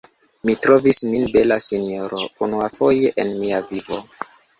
Mi trovis min bela, sinjoro, unuafoje en mia vivo.